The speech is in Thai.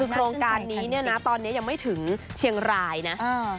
โครงการนี้เนี่ยนะตอนนี้ยังไม่ถึงเชียงรายนะ